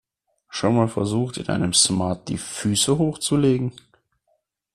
Schon mal versucht, in einem Smart die Füße hochzulegen?